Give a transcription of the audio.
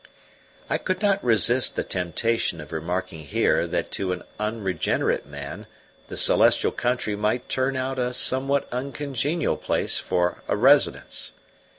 I could not resist the temptation of remarking here that to an unregenerate man the celestial country might turn out a somewhat uncongenial place for a residence.